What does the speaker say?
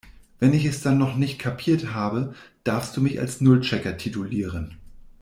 Wenn ich es dann noch nicht kapiert habe, darfst du mich als Nullchecker titulieren.